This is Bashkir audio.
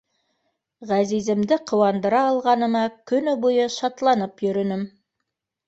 Ғәзиземде ҡыуандыра алғаныма көнө буйы шатланып йөрөнөм.